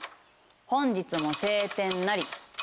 「本日も晴天なり」。